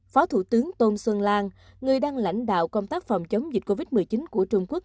phó thủ tướng tôn xuân lan người đang lãnh đạo công tác phòng chống dịch covid một mươi chín của trung quốc